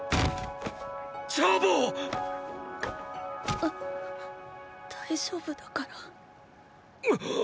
うっ大丈夫だから。！！